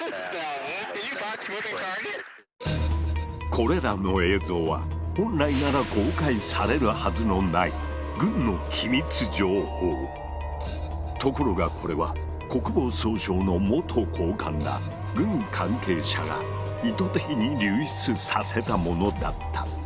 これらの映像は本来なら公開されるはずのないところがこれは国防総省の元高官ら軍関係者が意図的に流出させたものだった。